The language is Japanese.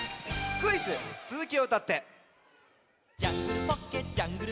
クイズ「つづきをうたって！」。